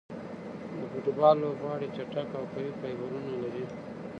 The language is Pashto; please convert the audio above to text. د فوټبال لوبغاړي چټک او قوي فایبرونه لري.